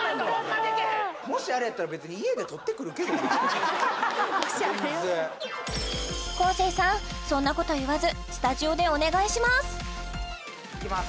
もしあれやったら別に全然昴生さんそんなこと言わずスタジオでお願いしますいきます